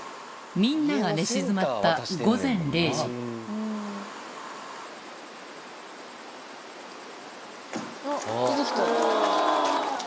みんなが寝静まった午前０時あっ出て来た。